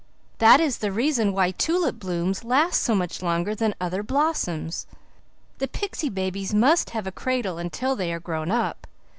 That is the reason why tulip blooms last so much longer than other blossoms. The pixy babies must have a cradle until they are grown up.